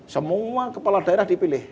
semua kepala daerah dipilih